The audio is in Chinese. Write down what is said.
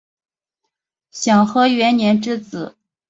享和元年之子。